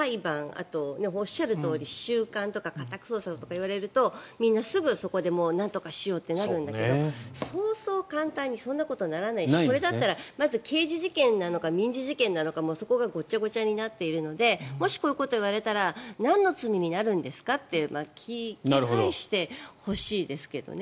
あと、おっしゃるとおり収監とか家宅捜索とか言われるとみんなすぐそこでなんとかしようとなるんだけどそうそう簡単にそんなことにならないしこれだったらまず刑事事件なのか民事事件なのかも、そこがごちゃごちゃになっているのでもしこういうことを言われたらなんの罪になるんですかと聞き返してほしいですけどね。